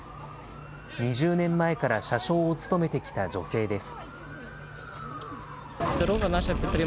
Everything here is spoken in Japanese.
２０年前から車掌を務めてきた女性です。